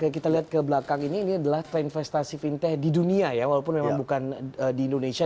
kita lihat ke belakang ini ini adalah tren investasi fintech di dunia ya walaupun memang bukan di indonesia